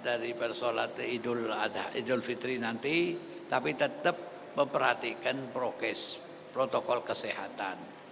dari persolat idul fitri nanti tapi tetap memperhatikan protokol kesehatan